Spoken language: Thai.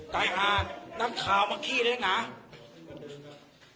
ตายอ่านน้ำขาวมันขี้เล็กหนานี่มันเดิมครับ